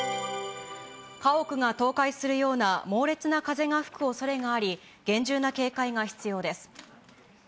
家屋が倒壊するような猛烈な風が吹くおそれがあり、厳重な警戒が必要です。